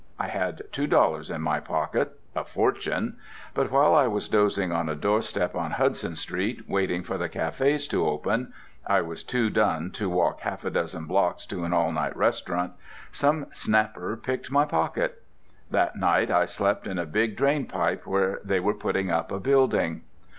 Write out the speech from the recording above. I had two dollars in my pocket—a fortune—but while I was dozing on a doorstep on Hudson Street, waiting for the cafés to open (I was too done to walk half a dozen blocks to an all night restaurant), some snapper picked my pocket. That night I slept in a big drain pipe where they were putting up a building.